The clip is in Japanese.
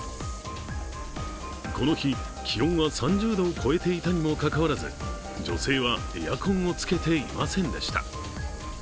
この日、気温は３０度を超えていたにもかかわらず、女性はエアコンをつけていませんでした。